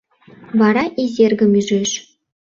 Вара Изергым ӱжеш: